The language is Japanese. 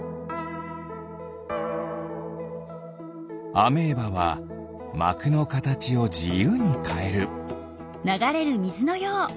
アメーバはまくのかたちをじゆうにかえる。